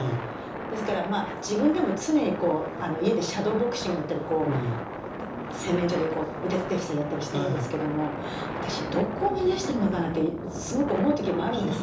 ですからまあ自分でも常に家でシャドーボクシングやったりこう洗面所で腕立て伏せやったりしてるんですけども私どこを目指してるのかなってすごく思う時もあるんですが。